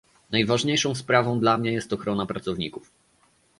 Najważniejszą sprawą dla mnie jest ochrona pracowników